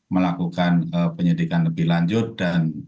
melakukan penyidikan lebih lanjut dan